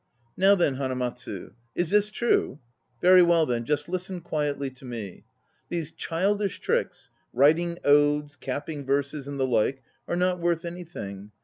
Now then, Hanamatsu. Is this true? Very well then; just listen quietly to me. These childish tricks writing odes, capping verses and the like are not worth anything.